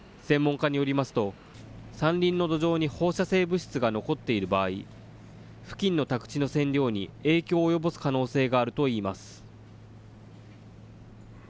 専門家によりますと、山林の土壌に放射性物質が残っている場合、付近の宅地の線量に、影響を及ぼす可能性があるといいます。